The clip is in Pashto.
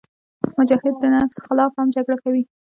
مجاهد د نفس خلاف هم جګړه کوي.